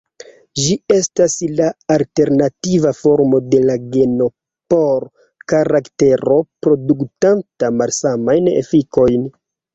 Ĝi estas la alternativa formo de geno por karaktero produktanta malsamajn efikojn.